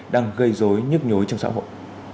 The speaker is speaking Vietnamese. đang gây dối nhức nhối trong xã hội